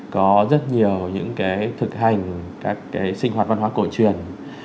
có rất nhiều những cái thực hành các cái sinh hoạt văn hóa cổ truyền